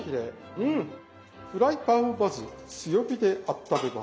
フライパンをまず強火であっためます。